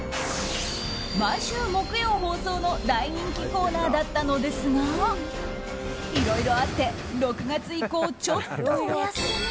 毎週木曜放送の大人気コーナーだったのですがいろいろあって、６月以降ちょっとお休み。